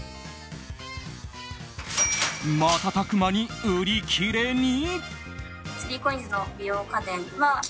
瞬く間に売り切れに。